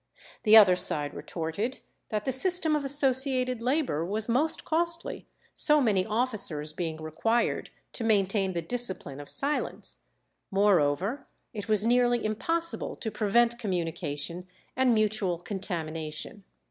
The other side retorted that the system of associated labour was most costly, so many officers being required to maintain the discipline of silence; moreover, it was nearly impossible to prevent communication and mutual contamination.